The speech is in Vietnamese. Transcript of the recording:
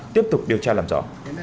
tiếp tục điều tra làm rõ